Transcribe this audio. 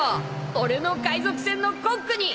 俺の海賊船のコックに！